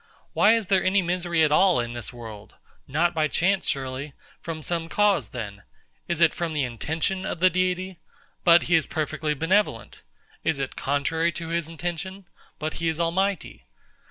Why is there any misery at all in the world? Not by chance surely. From some cause then. Is it from the intention of the Deity? But he is perfectly benevolent. Is it contrary to his intention? But he is almighty.